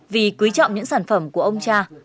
vì quý trọng những sản phẩm của ông cha